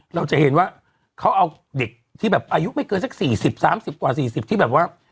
เราจะเห็นว่าเขาเอาเด็กที่แบบอายุไม่เกินสักสี่สิบสามสิบกว่าสี่สิบที่แบบว่า